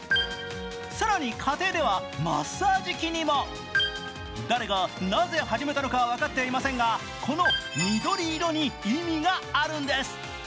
更に家庭ではマッサージ機にも。誰がなぜ始めたのかは分かっていませんが、この緑色に意味があるんです。